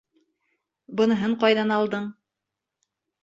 Быныһын ҡайҙан алдың?